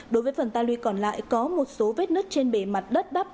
đối với phần ta lui còn lại có một số vết nứt trên bề mặt đất đắp